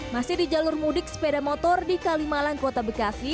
masih di jalur mudik sepeda motor di kalimalang kota bekasi